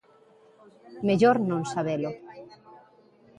Mellor non sabelo.